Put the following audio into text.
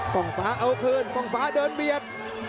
ต้องฟ้าเอาคืนป้องฟ้าเดินเบียด